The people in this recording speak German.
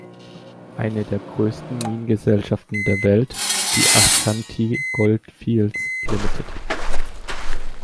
Eine der größten Minengesellschaften der Welt, die Ashanti Goldfields Ltd.